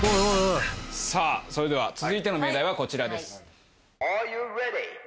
さあそれでは続いての命題はこちらです